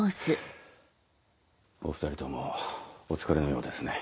お２人ともお疲れのようですね。